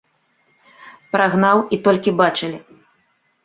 Прагнаў, і толькі бачылі.